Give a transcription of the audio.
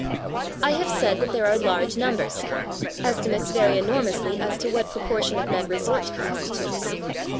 I have said that there are large numbers. Estimates vary enormously as to what proportion of men resort to prostitutes.